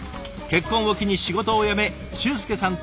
結婚を機に仕事を辞め俊介さんとこの島へ。